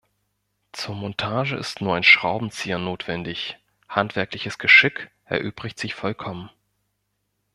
Zur Montage ist nur ein Schraubenzieher notwendig, handwerkliches Geschick erübrigt sich vollkommen.